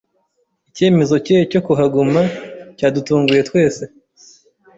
Icyemezo cye cyo kuhaguma cyadutunguye twese.